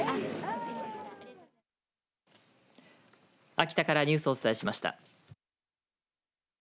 秋田からニュースをお伝えしました。